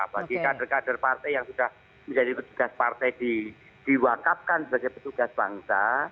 bagi kader kader partai yang sudah menjadi petugas partai diwakapkan sebagai petugas bangsa